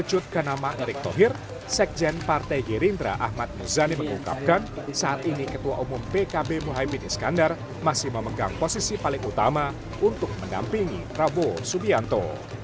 mengerut ke nama erick tohir sekjen partai girindra ahmad nuzani mengungkapkan saat ini ketua umum pkb muhyiddin iskandar masih memegang posisi paling utama untuk mendampingi prabowo subianto